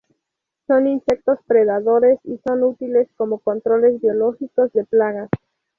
Son insectos predadores y son útiles como controles biológicos de plagas.